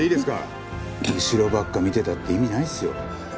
後ろばっか見てたって意味ないですよ。